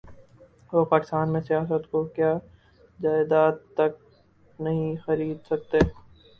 لوگ پاکستان میں سیاست تو کیا جائیداد تک نہیں خرید سکتے